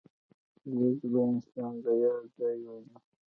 لیک د انسان د یاد ځای ونیو.